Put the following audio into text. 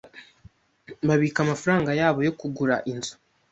Babika amafaranga yabo yo kugura inzu.